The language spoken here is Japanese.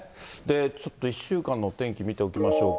ちょっと１週間の天気見ておきましょうか。